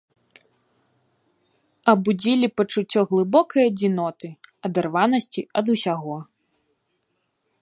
Абудзілі пачуццё глыбокай адзіноты, адарванасці ад усяго.